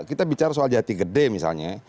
kita bicara soal jati gede misalnya